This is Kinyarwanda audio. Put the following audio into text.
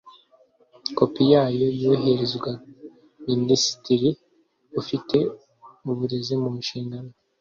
Kopi yayo yohererezwa Minisitiri ufite uburezi mu nshingano